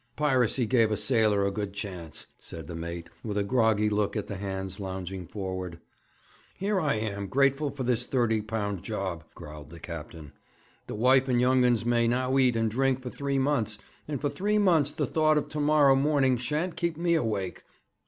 'Piracy gave a sailor a good chance,' said the mate, with a groggy look at the hands lounging forward. 'Here am I grateful for this £30 job,' growled the captain. 'The wife and young uns may now eat and drink for three months, and for three months the thought of to morrow morning shan't keep me awake.